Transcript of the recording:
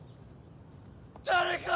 誰か！